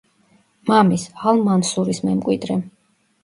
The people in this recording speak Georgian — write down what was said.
მამის, ალ-მანსურის მემკვიდრე.